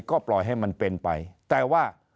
ก็ปล่อยให้มันเป็นไปแต่ว่า